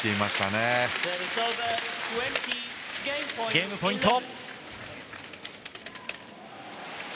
ゲームポイント。